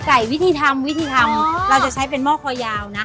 วิธีทำวิธีทำเราจะใช้เป็นหม้อคอยาวนะ